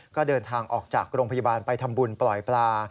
ก็เดินทางออกจากโรงพยาบาลไปทำบุญปล่อยปลา